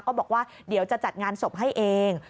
ก็บอกว่าเดี๋ยวจะจัดงานศพให้เอง